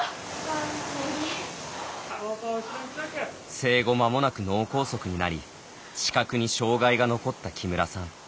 生後間もなく脳梗塞になり視覚に障がいが残った木村さん。